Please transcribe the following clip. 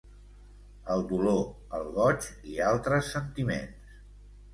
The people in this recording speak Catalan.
El dolor, el goig i altres sentiments.